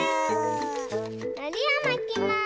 のりをまきます。